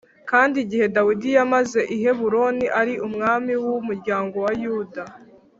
Kandi igihe Dawidi yamaze i Heburoni ari umwami w’umuryango wa Yuda